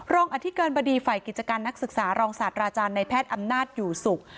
อธิการบดีฝ่ายกิจการนักศึกษารองศาสตราจารย์ในแพทย์อำนาจอยู่ศุกร์